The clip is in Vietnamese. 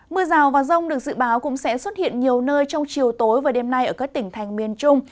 mưa rào và rông được dự báo cũng sẽ xuất hiện nhiều nơi trong chiều tối và đêm nay ở các tỉnh thành miền trung